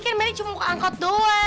kan meli cuma ke angkot doang